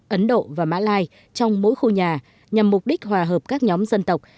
ấn độ và mã lai trong mỗi khu nhà nhằm mục đích hòa hợp các nhóm dân tộc